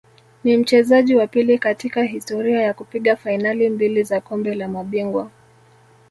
Ni mchezaji wa pili katika historia ya kupiga fainali mbili za Kombe la Mabingwa